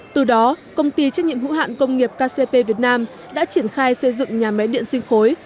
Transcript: từ đó công ty trách nhiệm hữu hạn công nghiệp kcp việt nam đã triển khai xây dựng nhà máy điện sinh khối